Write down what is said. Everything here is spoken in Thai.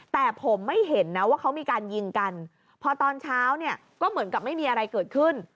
แต่ผมไม่เห็นนะว่าเขามีการยิงกันพอตอนเช้าเนี่ยก็เหมือนกับไม่มีอะไรเกิดขึ้น